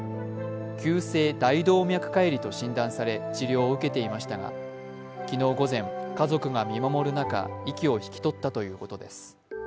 急性大動脈解離と診断され治療を受けていましたが昨日午前、家族が見守る中、息を引き取ったということです。